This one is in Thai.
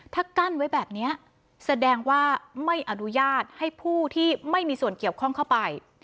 ถ้ากั้นไว้แบบนี้แสดงว่าไม่อนุญาตให้ผู้ที่ไม่มีส่วนเกี่ยวข้องเข้าไป